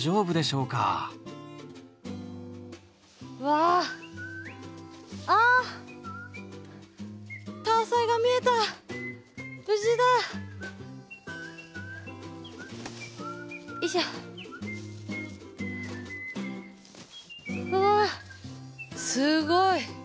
うわすごい！